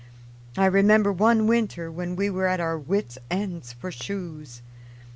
I remember one winter when we were at our wits' ends for shoes.